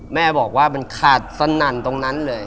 แม่บอกว่ามันขาดสนั่นตรงนั้นเลย